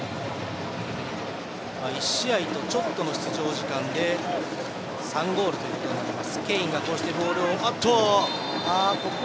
１試合とちょっとの出場時間で３ゴールということになります。